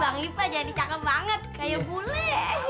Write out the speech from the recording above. bang ipa jadi cakep banget kayu bule